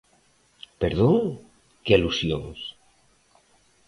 ¿Perdón?, ¿que alusións?